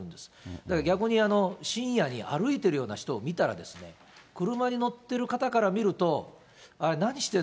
だから、逆に深夜に歩いてるような人を見たらですね、車に乗ってる方から見ると、あれ、何してる